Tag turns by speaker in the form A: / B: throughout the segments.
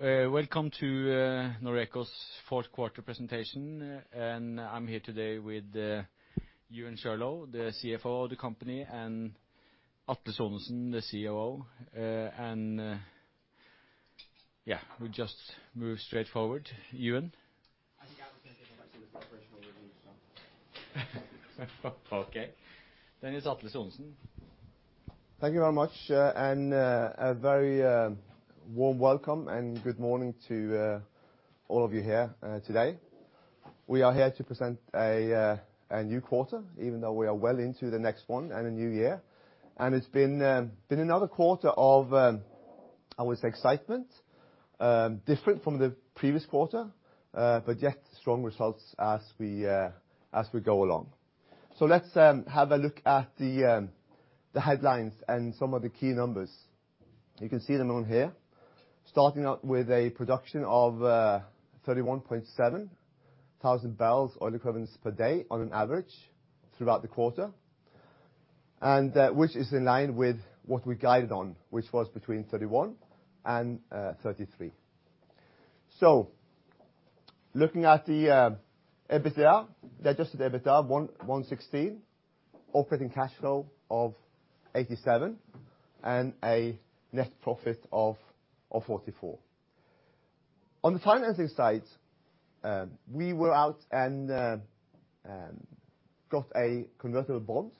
A: Welcome to Noreco's fourth quarter presentation. I'm here today with Euan Shirlaw, the CFO of the company, and Atle Sonesen, the COO. Yeah, we just move straight forward. Euan?
B: I think I was going to go back to the operational review, so.
A: Okay. Then it's Atle Sonesen.
C: Thank you very much, a very warm welcome and good morning to all of you here today. We are here to present a new quarter, even though we are well into the next one and a new year. It's been another quarter of, I would say, excitement, different from the previous quarter, but yet strong results as we go along. Let's have a look at the headlines and some of the key numbers. You can see them on here. Starting out with a production of 31,700 barrels oil equivalents per day on an average throughout the quarter, and which is in line with what we guided on, which was between 31,000 and 33,000. Looking at the EBITDA, adjusted EBITDA, $116 million, operating cash flow of $87 million, and a net profit of $44 million. On the financing side, we were out and got a convertible bond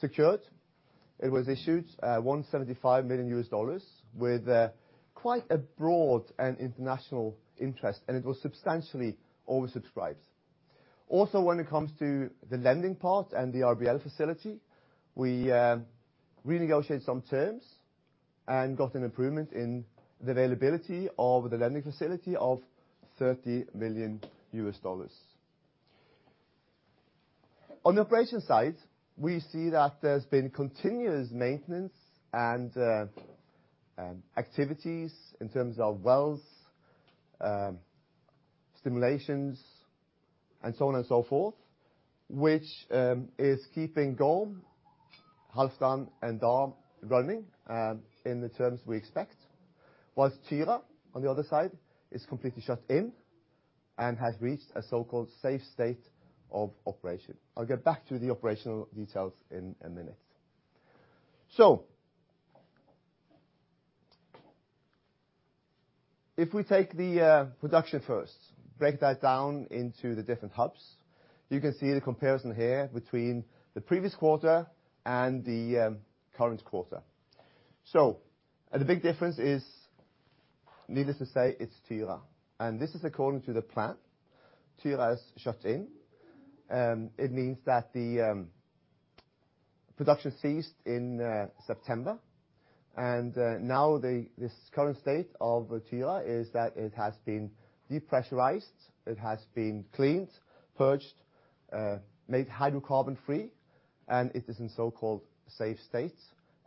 C: secured. It was issued $175 million with quite a broad and international interest, and it was substantially oversubscribed. When it comes to the lending part and the RBL facility, we renegotiated some terms and got an improvement in the availability of the lending facility of $30 million. On the operation side, we see that there's been continuous maintenance and activities in terms of wells, stimulations, and so on and so forth, which is keeping Gorm, Halfdan, and Dan running in the terms we expect. Whilst Tyra, on the other side, is completely shut in and has reached a so-called safe state of operation. I'll get back to the operational details in a minute. If we take the production first, break that down into the different hubs. You can see the comparison here between the previous quarter and the current quarter. The big difference is, needless to say, it's Tyra, and this is according to the plan. Tyra is shut in. It means that the production ceased in September, and now this current state of Tyra is that it has been depressurized, it has been cleaned, purged, made hydrocarbon-free, and it is in so-called safe state,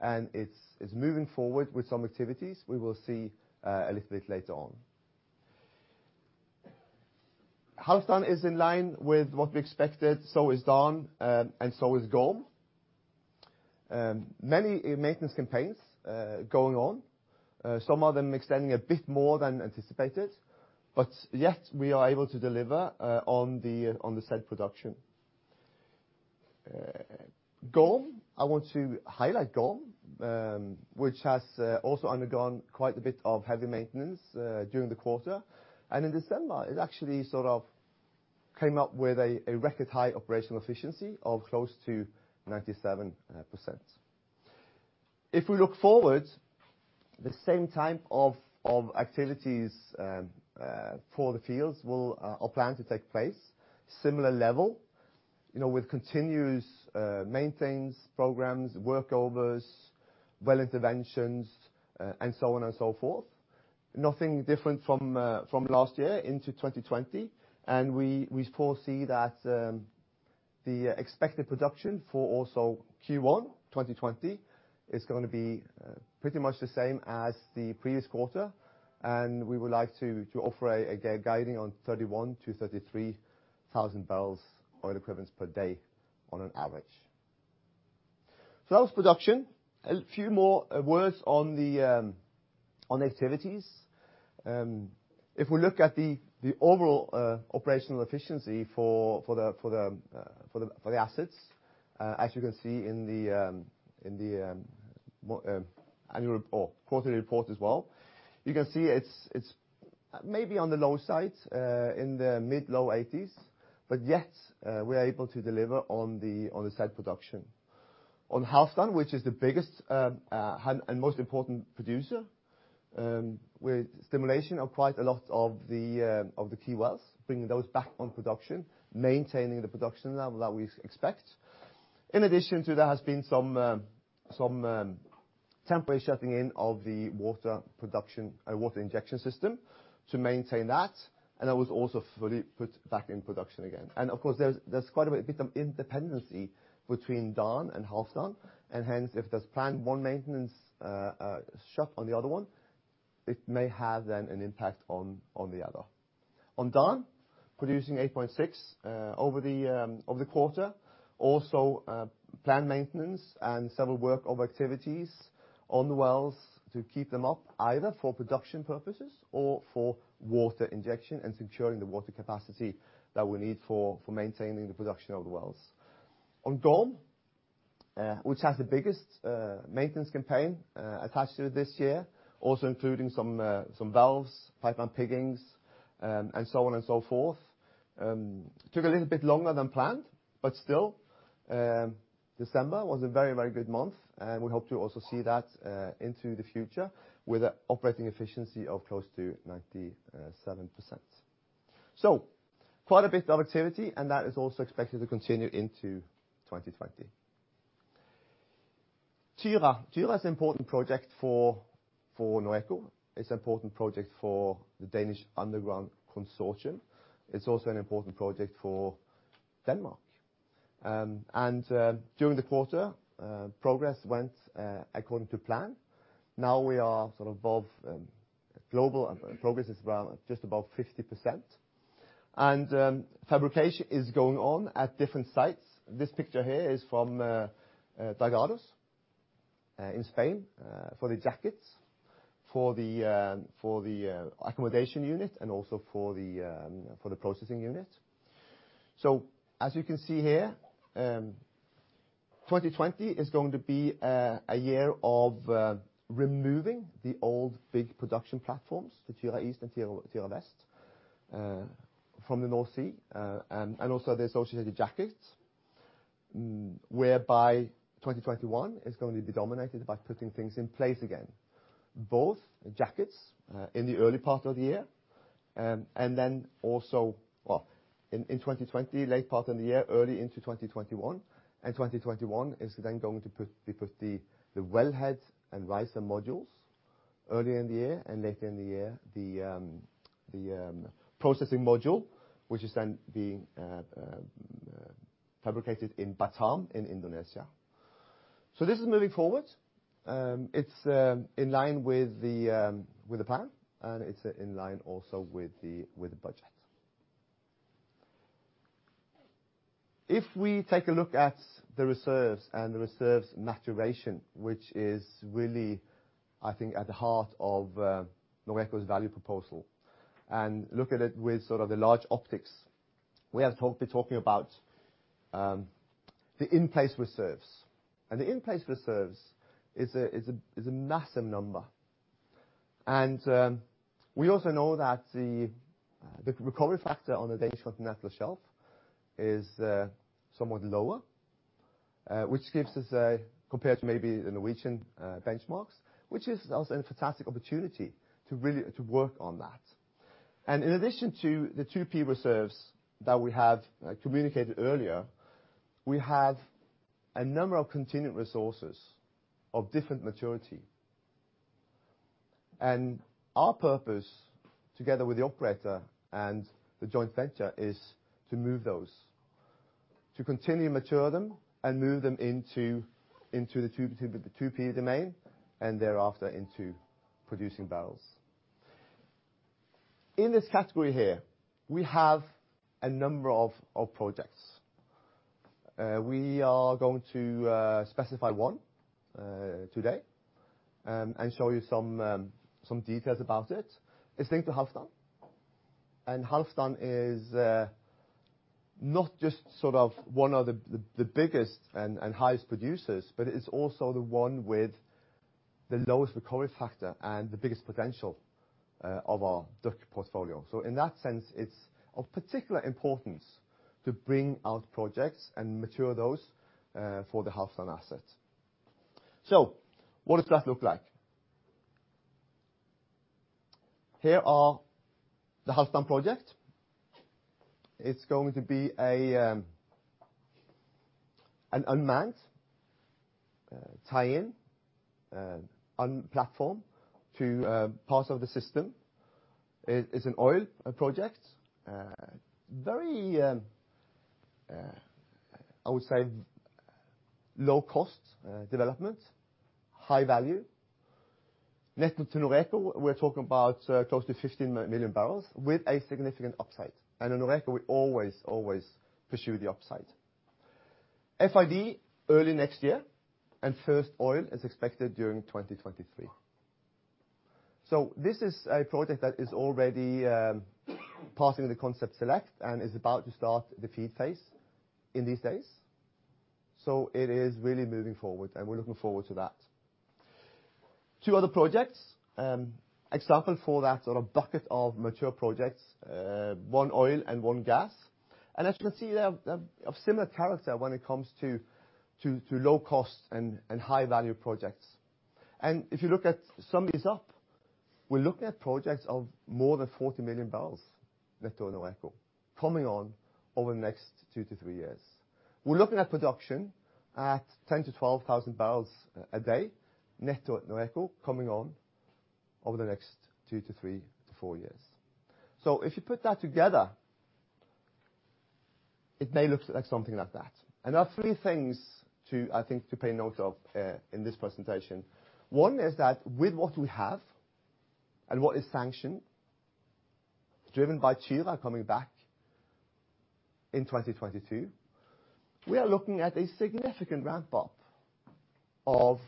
C: and it's moving forward with some activities we will see a little bit later on. Halfdan is in line with what we expected. So is Dan and so is Gorm. Many maintenance campaigns going on, some of them extending a bit more than anticipated, but yet we are able to deliver on the said production. Gorm, I want to highlight Gorm, which has also undergone quite a bit of heavy maintenance during the quarter. In December, it actually sort of came up with a record high operational efficiency of close to 97%. If we look forward, the same type of activities for the fields are planned to take place, similar level, with continuous maintenance programs, workovers, well interventions, and so on and so forth. Nothing different from last year into 2020. We foresee that the expected production for also Q1 2020 is going to be pretty much the same as the previous quarter, and we would like to offer a guiding on 31,000-33,000 barrels oil equivalents per day on an average. That was production. A few more words on activities. If we look at the overall operational efficiency for the assets, as you can see in the annual report, quarterly report as well, you can see it's maybe on the low side, in the mid- low-80s, but yet we are able to deliver on the said production. On Halfdan, which is the biggest and most important producer, with stimulation of quite a lot of the key wells, bringing those back on production, maintaining the production level that we expect. In addition to, there has been some temporary shutting in of the water injection system to maintain that, and that was also fully put back in production again. Of course, there's quite a bit of interdependency between Dan and Halfdan. Hence, if there's planned one maintenance shut on the other one, it may have then an impact on the other. On Dan, producing 8.6 over the quarter. Also, planned maintenance and several workover activities on the wells to keep them up, either for production purposes or for water injection and securing the water capacity that we need for maintaining the production of the wells. On Gorm, which has the biggest maintenance campaign attached to it this year, also including some valves, pipe and piggings, and so on and so forth. Still, December was a very good month. We hope to also see that into the future with operating efficiency of close to 97%. Quite a bit of activity, and that is also expected to continue into 2020. Tyra. Tyra is an important project for Noreco. It's an important project for the Danish Underground Consortium. It's also an important project for Denmark. During the quarter, progress went according to plan. Now we are above global, and progress is around just above 50%. Fabrication is going on at different sites. This picture here is from Dragados in Spain for the jackets, for the accommodation unit, and also for the processing unit. As you can see here, 2020 is going to be a year of removing the old big production platforms, the Tyra East and Tyra West, from the North Sea, and also the associated jackets, whereby 2021 is going to be dominated by putting things in place again. Both jackets in the early part of the year. In 2020, late part in the year, early into 2021. 2021 is then going to put the wellhead and riser modules early in the year, and later in the year, the processing module, which is then being fabricated in Batam in Indonesia. This is moving forward. It's in line with the plan, and it's in line also with the budget. If we take a look at the reserves and the reserves maturation, which is really, I think, at the heart of Noreco value proposal, and look at it with sort of the large optics, we have been talking about the in-place reserves. The in-place reserves is a massive number. We also know that the recovery factor on the Danish Continental Shelf is somewhat lower, which gives us, compared to maybe the Norwegian benchmarks, which is also a fantastic opportunity to work on that. In addition to the 2P reserves that we have communicated earlier, we have a number of contingent resources of different maturity. Our purpose, together with the operator and the joint venture, is to move those, to continue to mature them and move them into the 2P domain, and thereafter into producing barrels. In this category here, we have a number of projects. We are going to specify one today and show you some details about it. It's linked to Halfdan. Halfdan is not just one of the biggest and highest producers, but it's also the one with the lowest recovery factor and the biggest potential of our DUC portfolio. In that sense, it's of particular importance to bring out projects and mature those for the Halfdan asset. What does that look like? Here are the Halfdan project. It's going to be an unmanned tie-in on platform to part of the system. It's an oil project. Very, I would say, low cost development, high value. Net to Noreco, we're talking about close to 15 million barrels with a significant upside. In Noreco, we always pursue the upside. FID early next year, and first oil is expected during 2023. This is a project that is already passing the concept select and is about to start the FEED phase in these days. It is really moving forward, and we're looking forward to that. Two other projects, example for that sort of bucket of mature projects, one oil and one gas. As you can see, they're of similar character when it comes to low cost and high value projects. If you look at sum this up, we're looking at projects of more than 40 million barrels net to Noreco coming on over the next two to three years. We're looking at production at 10,000-12,000 barrels a day net to Noreco coming on over the next two to three to four years. If you put that together, it may look something like that. There are three things, I think to pay note of in this presentation. One is that with what we have and what is sanctioned, driven by Tyra coming back in 2022, we are looking at a significant ramp-up of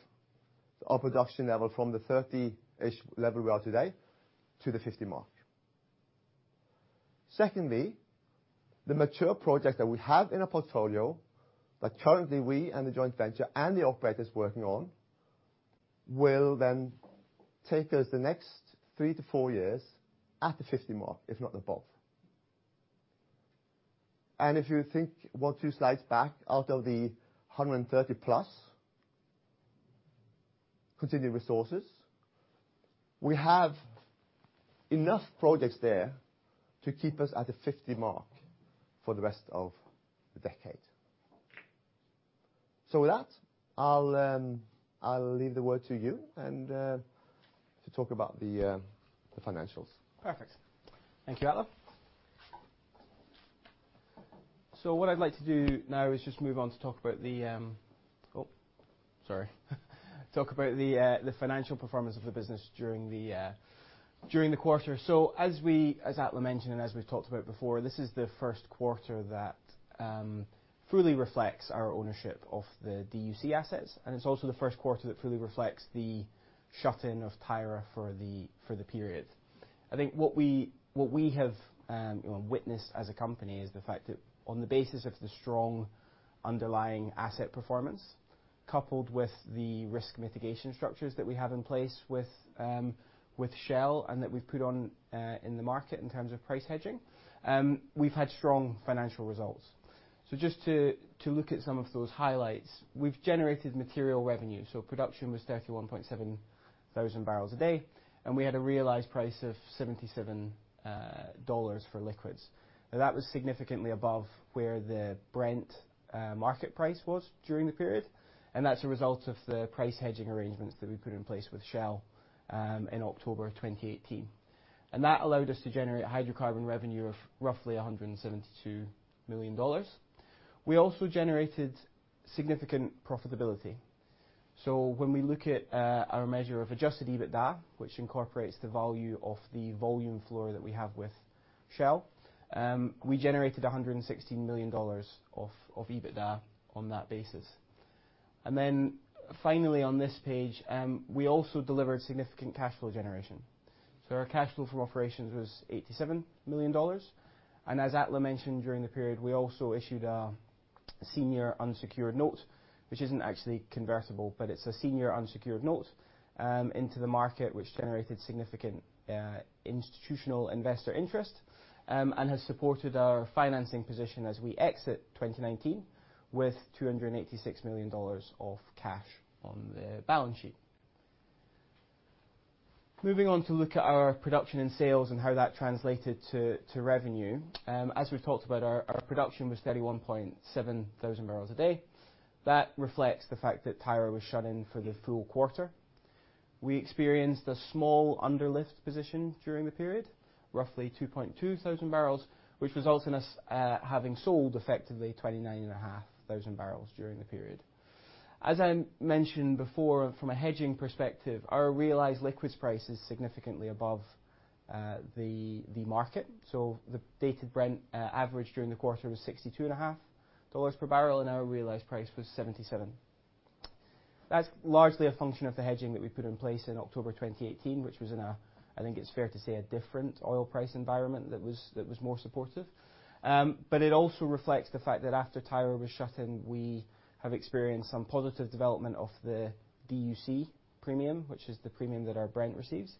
C: our production level from the 30-ish level we are today to the 50 mark. Secondly, the mature projects that we have in our portfolio that currently we and the joint venture and the operators working on will then take us the next three to four years at the 50 mark, if not above. If you think, one or two slides back, out of the 130+ contingent resources, we have enough projects there to keep us at the 50 mark for the rest of the decade. With that, I'll leave the word to Euan to talk about the financials.
B: Perfect. Thank you, Atle. What I'd like to do now is just move on to talk about the financial performance of the business during the quarter. As Atle mentioned and as we've talked about before, this is the first quarter that fully reflects our ownership of the DUC assets, and it's also the first quarter that fully reflects the shut-in of Tyra for the period. I think what we have witnessed as a company is the fact that on the basis of the strong underlying asset performance, coupled with the risk mitigation structures that we have in place with Shell and that we've put on in the market in terms of price hedging, we've had strong financial results. Just to look at some of those highlights, we've generated material revenue. Production was 31,700 barrels a day, and we had a realized price of $77 for liquids. That was significantly above where the Brent market price was during the period, and that's a result of the price hedging arrangements that we put in place with Shell in October of 2018. That allowed us to generate hydrocarbon revenue of roughly $172 million. We also generated significant profitability. When we look at our measure of adjusted EBITDA, which incorporates the value of the volume floor that we have with Shell, we generated $116 million of EBITDA on that basis. Finally on this page, we also delivered significant cash flow generation. Our cash flow from operations was $87 million. As Atle mentioned, during the period, we also issued a senior unsecured note, which isn't actually convertible, but it's a senior unsecured note into the market, which generated significant institutional investor interest and has supported our financing position as we exit 2019 with $286 million of cash on the balance sheet. Moving on to look at our production and sales and how that translated to revenue. As we've talked about, our production was 31,700 barrels a day. That reflects the fact that Tyra was shut in for the full quarter. We experienced a small underlift position during the period, roughly 2,200 barrels, which results in us having sold effectively 29,500 barrels during the period. As I mentioned before, from a hedging perspective, our realized liquids price is significantly above the market. The dated Brent average during the quarter was $62.50 per barrel, and our realized price was $77. That's largely a function of the hedging that we put in place in October 2018, which was in a, I think it's fair to say, a different oil price environment that was more supportive. It also reflects the fact that after Tyra was shut in, we have experienced some positive development of the DUC premium, which is the premium that our Brent receives.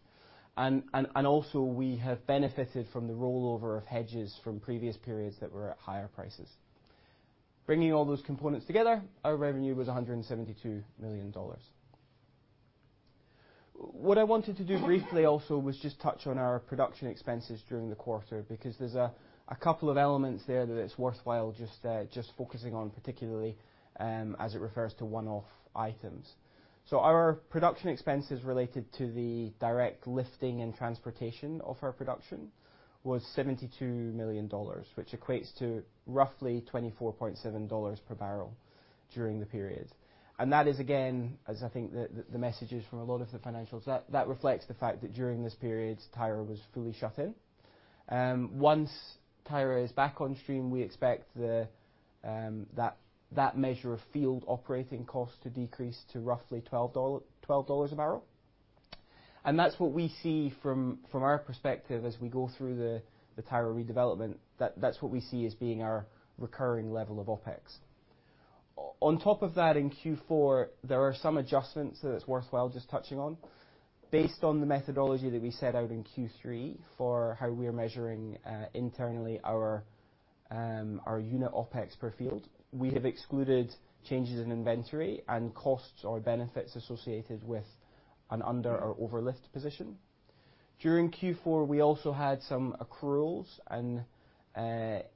B: Also we have benefited from the rollover of hedges from previous periods that were at higher prices. Bringing all those components together, our revenue was $172 million. What I wanted to do briefly also was just touch on our production expenses during the quarter because there's a couple of elements there that it's worthwhile just focusing on particularly as it refers to one-off items. Our production expenses related to the direct lifting and transportation of our production was $72 million, which equates to roughly $24.70 per barrel during the period. That is again, as I think the message is from a lot of the financials, that reflects the fact that during this period, Tyra was fully shut in. Once Tyra is back on stream, we expect that measure of field operating costs to decrease to roughly $12 a barrel. That's what we see from our perspective as we go through the Tyra redevelopment. That's what we see as being our recurring level of OpEx. On top of that, in Q4, there are some adjustments that it's worthwhile just touching on. Based on the methodology that we set out in Q3 for how we are measuring internally our unit OpEx per field, we have excluded changes in inventory and costs or benefits associated with an under or overlift position. During Q4, we also had some accruals and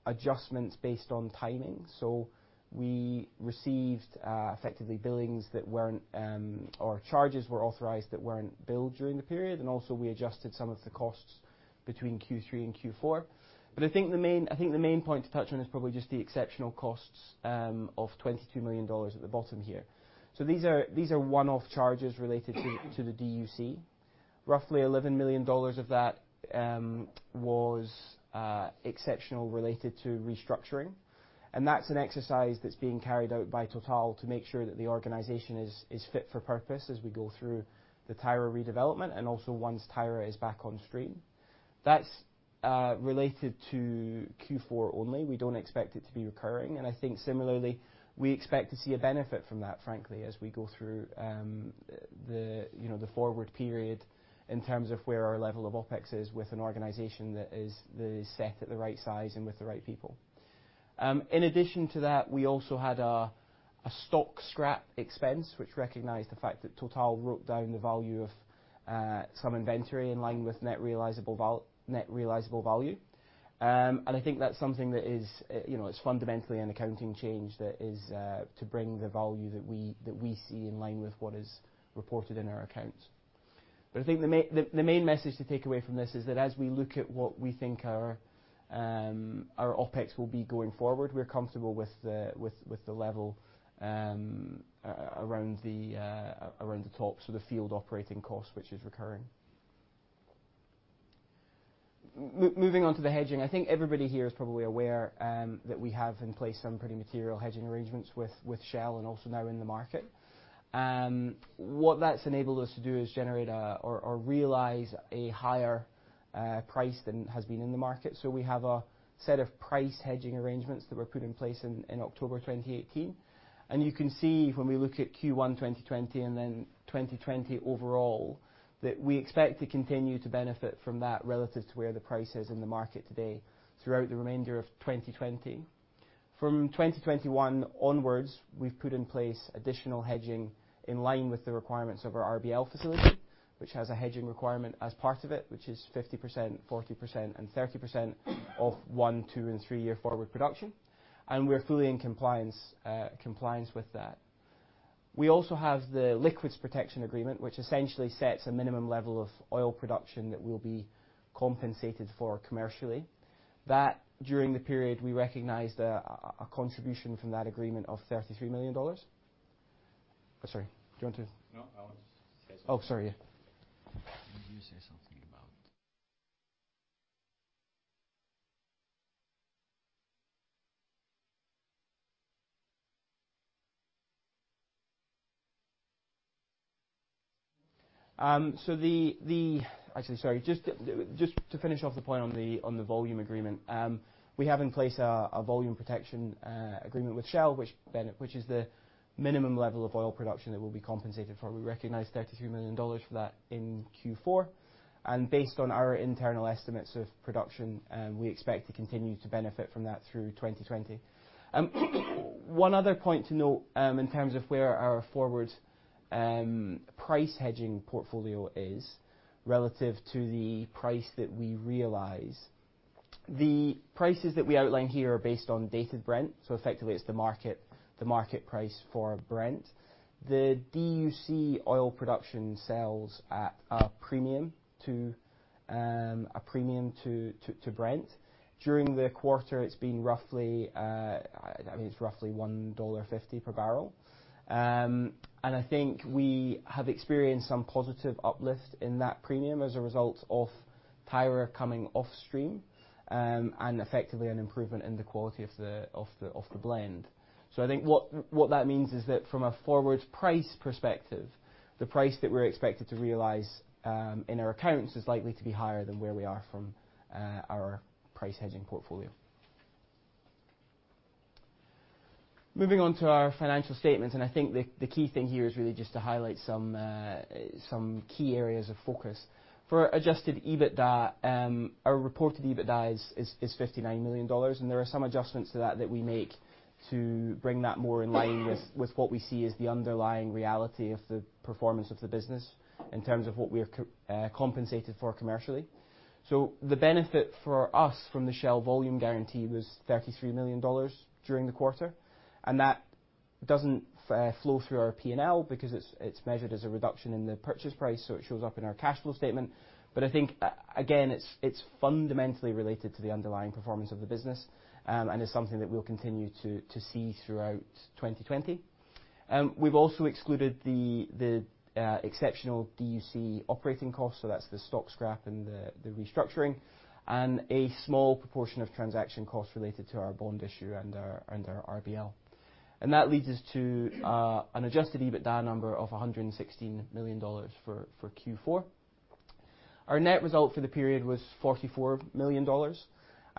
B: adjustments based on timing. We received effectively billings that weren't, or charges were authorized that weren't billed during the period. We adjusted some of the costs between Q3 and Q4. I think the main point to touch on is probably just the exceptional costs of $22 million at the bottom here. These are one-off charges related to the DUC. Roughly $11 million of that was exceptional, related to restructuring, and that's an exercise that's being carried out by Total to make sure that the organization is fit for purpose as we go through the Tyra redevelopment, and also once Tyra is back on stream. That's related to Q4 only. We don't expect it to be recurring. I think similarly, we expect to see a benefit from that, frankly, as we go through the forward period in terms of where our level of OpEx is with an organization that is set at the right size and with the right people. In addition to that, we also had a stock scrap expense, which recognized the fact that Total wrote down the value of some inventory in line with net realizable value. I think that's something that is fundamentally an accounting change that is to bring the value that we see in line with what is reported in our accounts. I think the main message to take away from this is that as we look at what we think our OpEx will be going forward, we are comfortable with the level around the top, so the field operating cost, which is recurring. Moving on to the hedging, I think everybody here is probably aware that we have in place some pretty material hedging arrangements with Shell, and also now in the market. What that's enabled us to do is generate or realize a higher price than has been in the market. We have a set of price hedging arrangements that were put in place in October 2018. You can see when we look at Q1 2020 and then 2020 overall, that we expect to continue to benefit from that relative to where the price is in the market today throughout the remainder of 2020. From 2021 onwards, we've put in place additional hedging in line with the requirements of our RBL facility, which has a hedging requirement as part of it, which is 50%, 40%, and 30% of one, two, and three year forward production. We are fully in compliance with that. We also have the volume protection agreement, which essentially sets a minimum level of oil production that we'll be compensated for commercially. That, during the period, we recognized a contribution from that agreement of $33 million. Oh, sorry. Do you want to?
A: No, I want to say something.
B: Oh, sorry. Yeah.
A: Would you say something about?
B: Actually, sorry. Just to finish off the point on the volume agreement. We have in place a volume protection agreement with Shell, which is the minimum level of oil production that we'll be compensated for. We recognized $33 million for that in Q4. Based on our internal estimates of production, we expect to continue to benefit from that through 2020. One other point to note in terms of where our forward price hedging portfolio is relative to the price that we realize. The prices that we outline here are based on dated Brent, so effectively it's the market price for Brent. The DUC oil production sells at a premium to Brent. During the quarter, it's been roughly $1.50 per barrel. I think we have experienced some positive uplift in that premium as a result of Tyra coming off stream, and effectively an improvement in the quality of the blend. I think what that means is that from a forward price perspective, the price that we're expected to realize in our accounts is likely to be higher than where we are from our price hedging portfolio. Moving on to our financial statements, I think the key thing here is really just to highlight some key areas of focus. For adjusted EBITDA, our reported EBITDA is $59 million, and there are some adjustments to that that we make to bring that more in line with what we see as the underlying reality of the performance of the business in terms of what we are compensated for commercially. The benefit for us from the Shell volume guarantee was $33 million during the quarter, and that doesn't flow through our P&L because it's measured as a reduction in the purchase price, so it shows up in our cash flow statement. I think, again, it's fundamentally related to the underlying performance of the business, and is something that we'll continue to see throughout 2020. We've also excluded the exceptional DUC operating costs, so that's the stock scrap and the restructuring, and a small proportion of transaction costs related to our bond issue and our RBL. That leads us to an adjusted EBITDA number of $116 million for Q4. Our net result for the period was $44 million.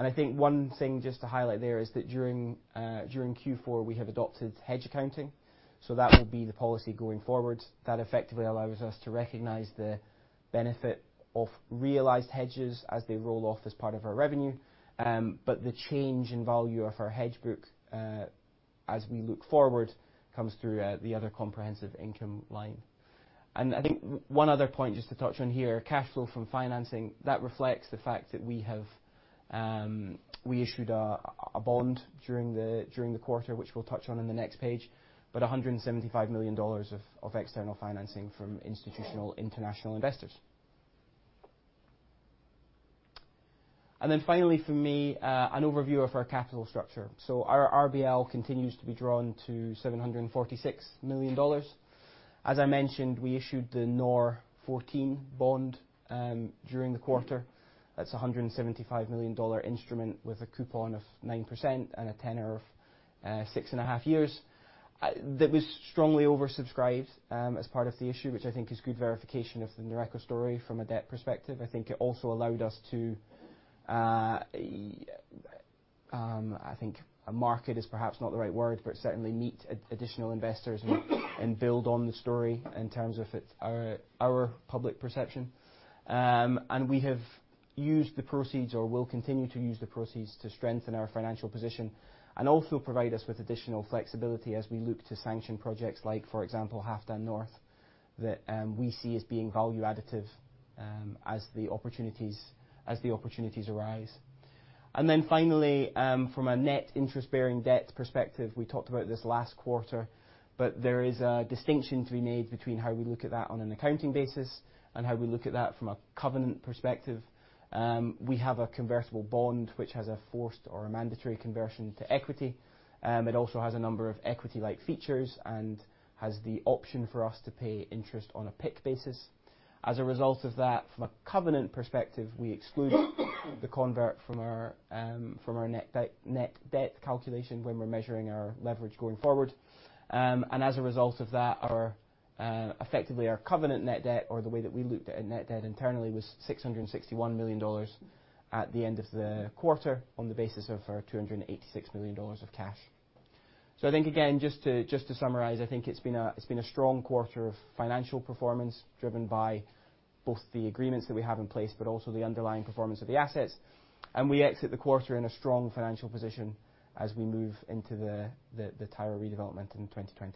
B: I think one thing just to highlight there is that during Q4, we have adopted hedge accounting, so that will be the policy going forward. That effectively allows us to recognize the benefit of realized hedges as they roll off as part of our revenue. The change in value of our hedge book as we look forward comes through the other comprehensive income line. I think one other point just to touch on here, cash flow from financing. That reflects the fact that We issued a bond during the quarter, which we'll touch on in the next page, but $175 million of external financing from institutional international investors. Then finally from me, an overview of our capital structure. Our RBL continues to be drawn to $746 million. As I mentioned, we issued the NOR14 bond during the quarter. That's $175 million instrument with a coupon of 9% and a tenure of six and a half years, that was strongly oversubscribed as part of the issue, which I think is good verification of the Noreco story from a debt perspective. I think it also allowed us to, I think, a market is perhaps not the right word, but certainly meet additional investors and build on the story in terms of its our public perception. We have used the proceeds or will continue to use the proceeds to strengthen our financial position and also provide us with additional flexibility as we look to sanction projects like, for example, Halfdan North, that we see as being value additive as the opportunities arise. Finally, from a net interest-bearing debt perspective, we talked about this last quarter, but there is a distinction to be made between how we look at that on an accounting basis and how we look at that from a covenant perspective. We have a convertible bond which has a forced or a mandatory conversion to equity. It also has a number of equity-like features and has the option for us to pay interest on a PIK basis. As a result of that, from a covenant perspective, we exclude the convert from our net debt calculation when we're measuring our leverage going forward. As a result of that, effectively, our covenant net debt or the way that we looked at net debt internally was $661 million at the end of the quarter on the basis of our $286 million of cash. I think, again, just to summarize, I think it's been a strong quarter of financial performance driven by both the agreements that we have in place, but also the underlying performance of the assets. We exit the quarter in a strong financial position as we move into the Tyra redevelopment in 2020.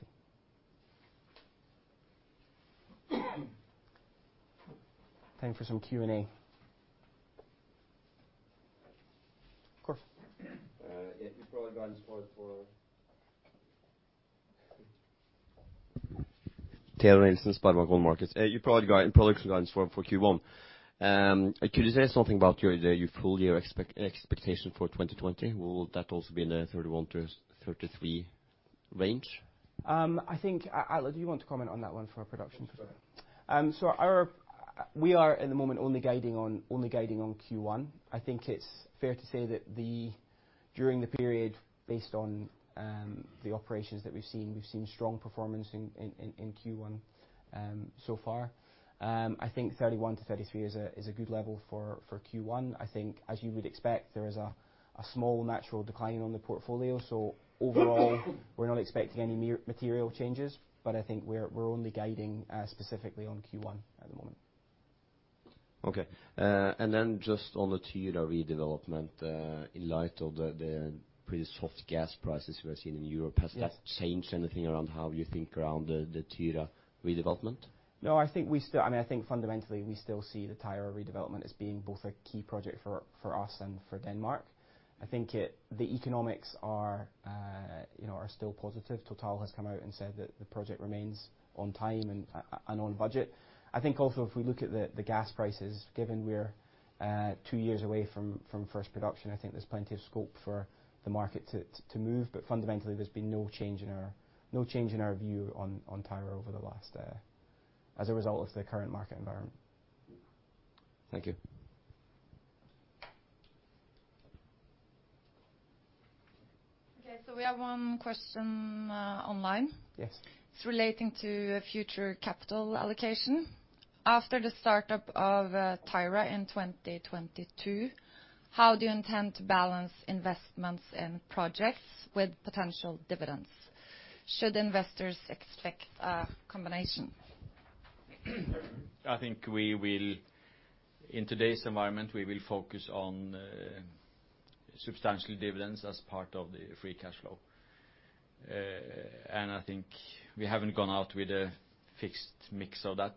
B: Time for some Q&A. Of course.
D: Yeah. You've probably gone far for Taylor Nelson, SpareBank 1 Markets. You production guidance for Q1. Could you say something about your full year expectation for 2020? Will that also be in the 31,000-33,000 range?
B: I think, do you want to comment on that one for production?
C: Sure.
B: We are, at the moment, only guiding on Q1. I think it's fair to say that during the period, based on the operations that we've seen, we've seen strong performance in Q1 so far. I think 31,000-33,000 is a good level for Q1. I think, as you would expect, there is a small natural decline on the portfolio. Overall, we're not expecting any material changes, but I think we're only guiding specifically on Q1 at the moment.
D: Okay. Just on the Tyra redevelopment, in light of the pretty soft gas prices we are seeing in Europe.
B: Yeah.
D: Has that changed anything around how you think around the Tyra redevelopment?
B: No. I think fundamentally, we still see the Tyra redevelopment as being both a key project for us and for Denmark. Total has come out and said that the project remains on time and on budget. I think also if we look at the gas prices, given we're two years away from first production, I think there's plenty of scope for the market to move. Fundamentally, there's been no change in our view on Tyra over the last, as a result of the current market environment.
D: Thank you.
A: Okay, we have one question online.
B: Yes.
A: It's relating to future capital allocation. After the startup of Tyra in 2022, how do you intend to balance investments and projects with potential dividends? Should investors expect a combination? I think in today's environment, we will focus on substantial dividends as part of the free cash flow. I think we haven't gone out with a fixed mix of that.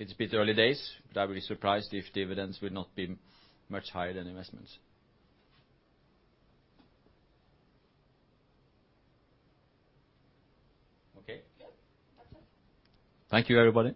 A: It's a bit early days. I would be surprised if dividends would not be much higher than investments. Okay. Thank you, everybody.